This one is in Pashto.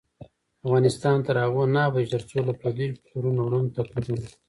افغانستان تر هغو نه ابادیږي، ترڅو له پردیو کلتورونو ړوند تقلید ونکړو.